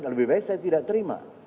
lebih baik saya tidak terima